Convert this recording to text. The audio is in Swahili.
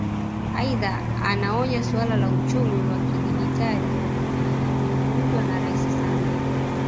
Aidha anaonya suala la uchumi wa kidigitali lililozungumzwa na Rais Samia